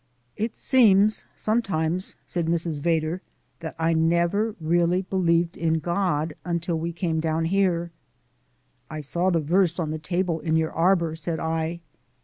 "It seems, sometimes," said Mrs. Vedder, "that I never really believed in God until we came down here " "I saw the verse on the table in the arbour," said I.